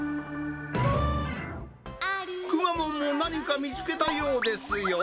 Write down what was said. くまモンも何か見つけたようですよ。